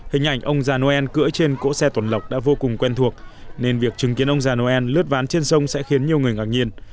hình ảnh ông già noel cưỡi trên cỗ xe tuần lọc đã vô cùng quen thuộc nên việc chứng kiến ông già noel lướt ván trên sông sẽ khiến nhiều người ngạc nhiên